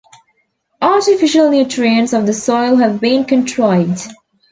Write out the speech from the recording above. Artificial nutrients of the soil have been contrived.